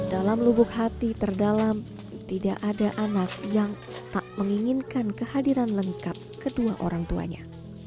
dalam lubuk hati terdalam tidak ada anak yang tak menginginkan kehadiran lengkap kedua orang tuanya